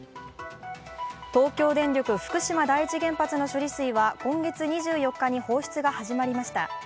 東京電力福島第一原発の処理水は今月２４日に放出が始まりました。